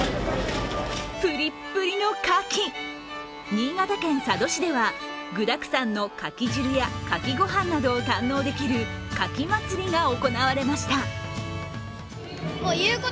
新潟県佐渡市では具だくさんのかき汁やかきご飯などを堪能できるカキ祭りが行われました。